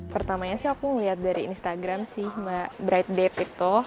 pertamanya sih aku melihat dari instagram sih mbak bright day tiktok